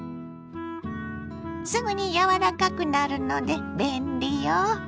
すぐに柔らかくなるので便利よ。